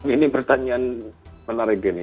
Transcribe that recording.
ini pertanyaan menarik ini